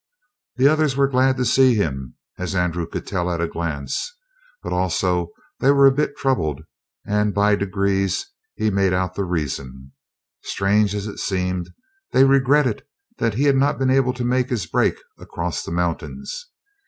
The others were glad to see him, as Andrew could tell at a glance, but also they were a bit troubled, and by degrees he made out the reason. Strange as it seemed, they regretted that he had not been able to make his break across the mountains.